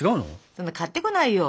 そんな買ってこないよ。